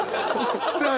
さあ